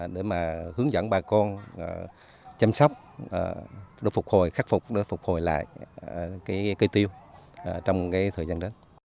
để mà hướng dẫn bà con chăm sóc khắc phục phục hồi lại cây tiêu trong thời gian đất